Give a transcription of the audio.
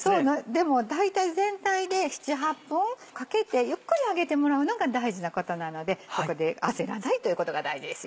でも大体全体で７８分かけてゆっくり揚げてもらうのが大事なことなのでここで焦らないということが大事ですよ。